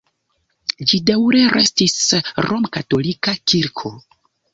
Ĝi daŭre restis romkatolika kirko.